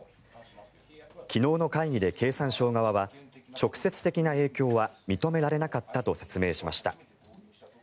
昨日の会議で経産省側は直接的な影響は認められなかったと説明しました。